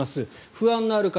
不安がある方